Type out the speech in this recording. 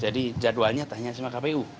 jadi jadwalnya tanyakan sama kpu